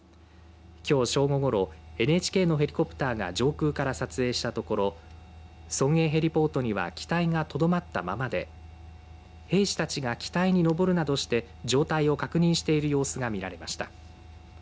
きょう正午ごろＮＨＫのヘリコプターが上空から撮影したところ村営ヘリポートには機体がとどまったままで兵士たちが機体に上るなどして状態を確認している様子が見られました。